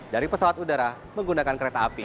dari pesawat udara menggunakan kereta api